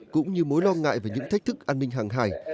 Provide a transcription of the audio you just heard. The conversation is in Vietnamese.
cũng như mối lo ngại về những thách thức an ninh hàng hải